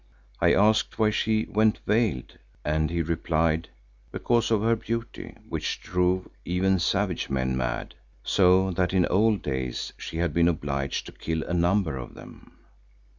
I asked why she went veiled, and he replied, because of her beauty which drove even savage men mad, so that in old days she had been obliged to kill a number of them.